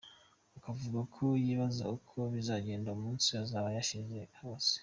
Akavuga ko yibaza uko bizagenda umunsi izaba yashize yose.